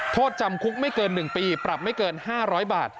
โทษจำคุกไม่เกิน๑ปีปรับไม่เกิน๕๐๐บาท